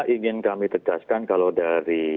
ingin kami tegaskan kalau dari